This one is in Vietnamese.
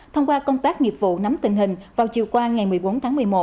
thông qua công tác nghiệp vụ nắm tình hình vào chiều qua ngày một mươi bốn tháng một mươi một